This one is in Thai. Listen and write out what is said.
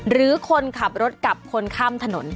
หรือคนขับรถกับคนข้ามถนน